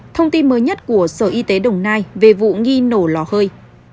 thông tin mới nhất của sở y tế đồng nai về vụ nghi nổ lò hơi